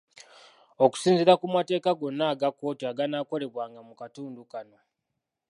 Okusinziira ku mateeka gonna aga kkooti aganaakolebwanga mu katundu kano.